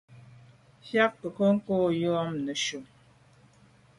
Mfùag nke nko yub neshu.